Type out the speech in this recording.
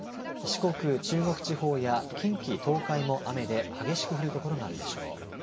四国、中国地方や近畿、東海も雨で激しく降る所があるでしょう。